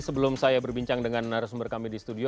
sebelum saya berbincang dengan narasumber kami di studio